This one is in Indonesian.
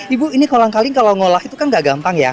ibu ini kolang kaling kalau ngolah itu kan gak gampang ya